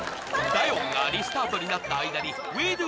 ダヨンがリスタートになった間に Ｗｅｄｏ！